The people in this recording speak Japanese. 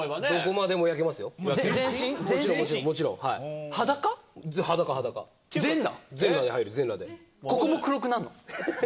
ここも黒くなんの？